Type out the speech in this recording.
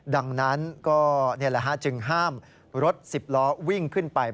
ดังนั้นก็ห้าจึงห้ามรถ๑๐ล้อวิ่งขึ้นไป